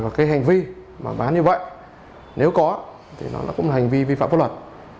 và cái hành vi mà bán như vậy nếu có thì nó cũng là hành vi vi phạm pháp luật